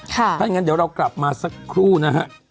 ถ้าอย่างนั้นเดี๋ยวเรากลับมาสักครู่นะฮะ